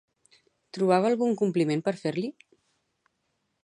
Trobava algun compliment per fer-li?